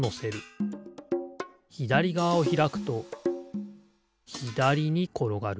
ひだりがわをひらくとひだりにころがる。